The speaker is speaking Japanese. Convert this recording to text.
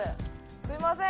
すみません。